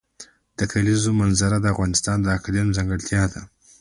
د کلیزو منظره د افغانستان د اقلیم ځانګړتیا ده.